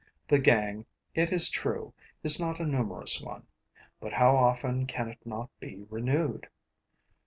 The gang, it is true, is not a numerous one; but how often can it not be renewed!